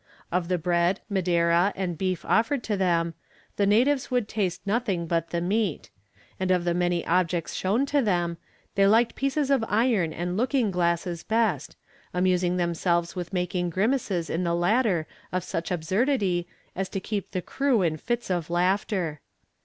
Of the bread, madeira, and beef offered to them, the natives would taste nothing but the meat; and of the many objects shown to them, they liked pieces of iron and looking glasses best, amusing themselves with making grimaces in the latter of such absurdity as to keep the crew in fits of laughter.